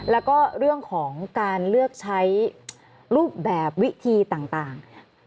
แล้วก็เรื่องของการเลือกใช้รูปแบบวิธีต่าง